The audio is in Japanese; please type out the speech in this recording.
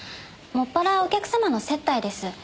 専らお客様の接待です。